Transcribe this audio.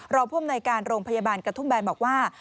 เราพบในการโรงพยาบาลกระทุ่มแบนบอกว่า